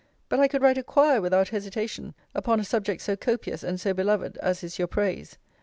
But I could write a quire without hesitation upon a subject so copious and so beloved as is your praise.